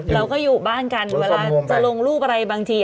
เราก็อยู่บ้านกันเวลาจะลงรูปอะไรบางที